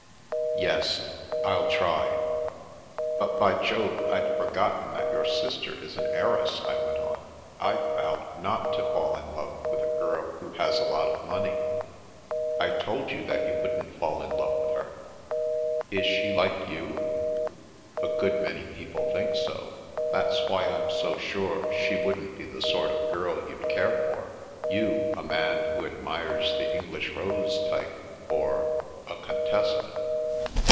" Yes, I'll try." " But, by Jove, I'd forgotten that your sister is an heiress," I went on. " I've vowed not to fall in love with a girl who has a lot of money." There is No Such Girl 263 " I told you that you wouldn't fall in love with her." Is she like you ?" A good many people think so. That's why I'm so sure she wouldn't be the sort of girl you'd care for — ^you, a man who admires the English rose type or — a Contessa."